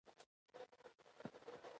د پانګوالۍ په پیل کې د توکو تولید نه و.